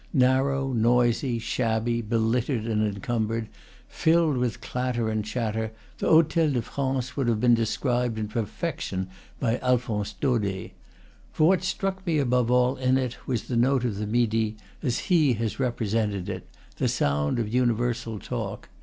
Narrow, noisy, shabby, belittered and encumbered, filled with clatter and chatter, the Hotel de France would have been described in perfection by Alphonse Daudet. For what struck me above all in it was the note of the Midi, as he has represented it, the sound of universal talk.